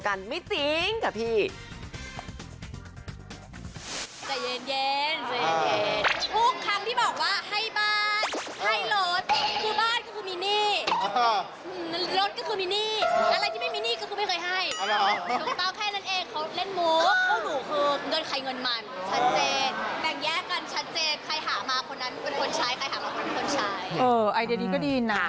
คุณผู้สูงคือเงินใครเงินมัน